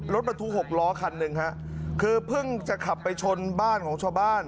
รถบรรทุกหกล้อคันหนึ่งฮะคือเพิ่งจะขับไปชนบ้านของชาวบ้าน